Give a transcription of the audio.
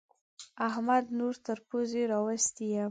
احمد نور تر پوزې راوستی يم.